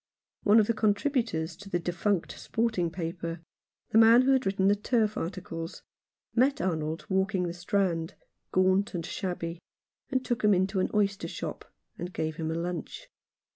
One of the contributors to the defunct sporting paper, the man who had written the turf articles, met Arnold walking the Strand, gaunt and shabby, and took him into an oyster shop, and gave him a lunch.